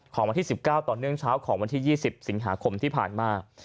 วันที่๑๙ต่อเนื่องเช้าของวันที่๒๐สิงหาคมที่ผ่านมา